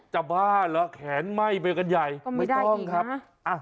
จะบ้าเหรอแขนไหม้ไปกันใหญ่ก็ไม่ได้อีกนะไม่ต้องครับอ่ะ